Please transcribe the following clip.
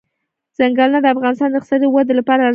ځنګلونه د افغانستان د اقتصادي ودې لپاره ارزښت لري.